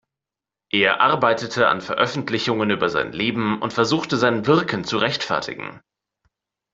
Er arbeitete an Veröffentlichungen über sein Leben und versuchte sein Wirken zu rechtfertigen.